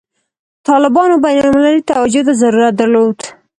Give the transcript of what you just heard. طالبانو بین المللي توجه ته ضرورت درلود.